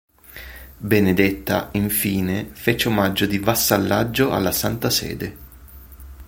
Benedetta, infine, fece omaggio di vassallaggio alla Santa Sede.